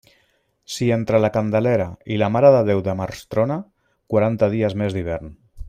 Si entre la Candelera i la Mare de Déu de març trona, quaranta dies més d'hivern.